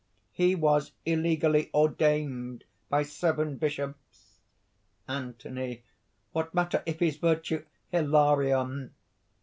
"He was illegally ordained by seven bishops." ANTHONY. "What matter if his virtue...." HILARION.